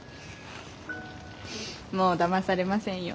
もうだまされませんよ。